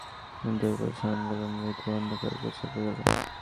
সেই আভা যেন মাগুরা শহরের দোয়ারপাড়ার সন্ধ্যা বেলার মৃদু অন্ধকারকেও ছাপিয়ে গেল।